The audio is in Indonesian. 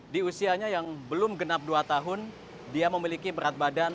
di usianya yang belum genap dua tahun dia memiliki berat badan dua lima kg